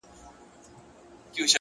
مهرباني د سختو زړونو قلف ماتوي،